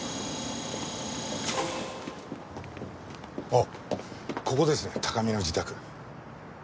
あっここですね高見の自宅。